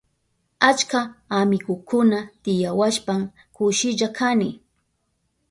Achka amigukuna tiyawashpan kushilla kani.